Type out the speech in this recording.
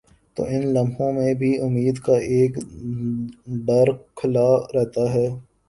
تو ان لمحوں میں بھی امید کا ایک در کھلا رہتا ہے۔